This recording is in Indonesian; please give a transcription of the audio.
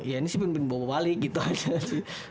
ya ini sih pimpin bawa bawa balik gitu aja sih